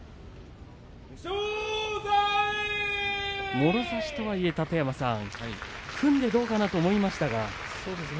もろ差しとはいえ、楯山さん組んでどうかなと思いましたけどね。